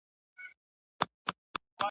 لا به څو زلمۍ کومه عزراییله بوډۍ ورځي ..